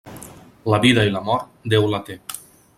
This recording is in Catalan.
La vida i la mort, Déu la té.